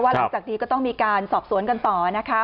หลังจากนี้ก็ต้องมีการสอบสวนกันต่อนะคะ